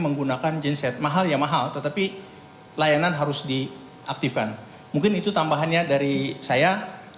menggunakan genset mahal ya mahal tetapi layanan harus diaktifkan mungkin itu tambahannya dari saya